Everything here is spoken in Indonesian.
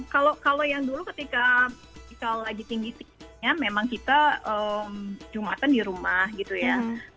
kalau yang dulu ketika misal lagi tinggi tingginya memang kita jumatan di rumah gitu ya